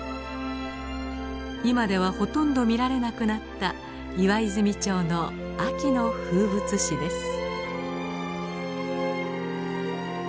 今ではほとんど見られなくなった岩泉町の秋の風物詩です。